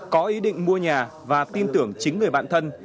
có ý định mua nhà và tin tưởng chính người bạn thân